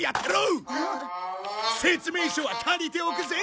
説明書は借りておくぜ！